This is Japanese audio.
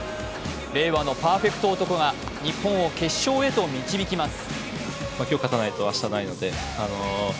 令和のパーフェクト男が日本を決勝へと導きます。